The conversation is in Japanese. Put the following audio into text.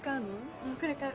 うんこれ買う。